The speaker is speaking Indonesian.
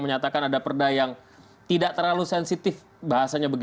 nah kalau memang kita di padang